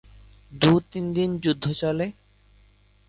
দু-তিন দিন যুদ্ধ চলে।